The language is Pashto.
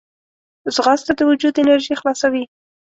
ځغاسته د وجود انرژي خلاصوي